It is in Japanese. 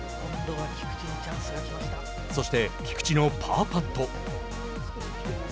そして、菊地のパーパット。